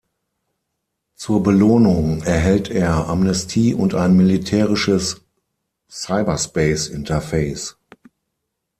Zur Belohnung erhält er Amnestie und ein militärisches Cyberspace-Interface.